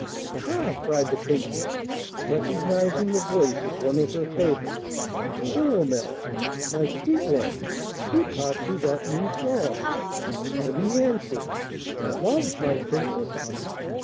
'Ah!' cried the Princess, recognizing the voice of one of her favourites, 'Philomel, my sweet one, who taught you that new song?' And he answered: 'Love, my Princess.